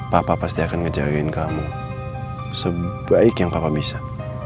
papa pasti akan ngejarin kamu sebaik yang papa bisa